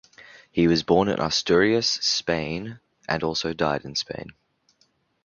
He was born in Asturias, Spain and also died in Spain.